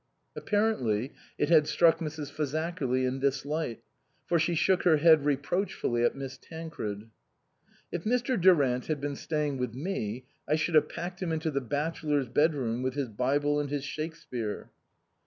Apparently it had struck Mrs. Fazakerly in this light, for she shook her head reproachfully at Miss Tancred. " If Mr. Durant had been staying with me, I should have packed him into the bachelor's bed room with his Bible and his Shakespeare."